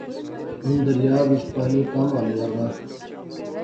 ہن دریا وچ پانی کم ہانے لاغآ